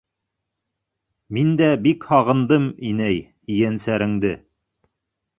Мин дә бик һағындым, инәй, ейәнсәреңде.